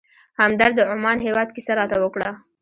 همدرد د عمان هېواد کیسه راته وکړه.